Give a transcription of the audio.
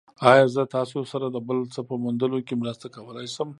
ایا زه تاسو سره د بل څه په موندلو کې مرسته کولی شم؟